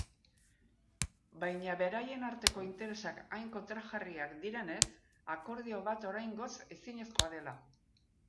Baina beraien arteko interesak hain kontrajarriak direnez, akordio bat oraingoz ezinezkoa dela.